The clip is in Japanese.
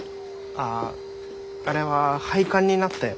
あああれは廃刊になったよ。